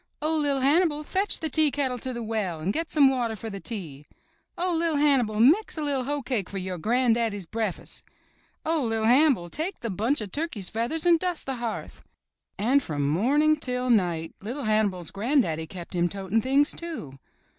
'* ''Oh, LiT Hannibal, fetch the tea kettle to the well and get some water for the tea.'* ''Oh, LiT Hannibal, mix a liT hoecake for your gran'daddy's brea'fus'." "Oh, LiT Hannibal, take the bunch of turkeys' feathers and dust the hearth." And from morning until night LiT Hannibal's gran'daddy kept him toting things, too.